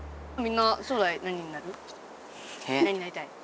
何になりたい？